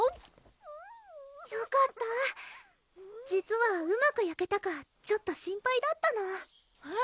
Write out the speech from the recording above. よかった実はうまくやけたかちょっと心配だったのえっ！